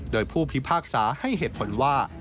โดยผู้พิพากษาให้เหตุผลว่า